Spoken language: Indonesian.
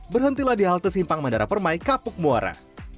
berhentilah di halte simpang mandara permai kapuk muara